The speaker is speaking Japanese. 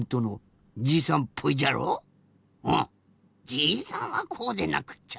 じいさんはこうでなくっちゃ。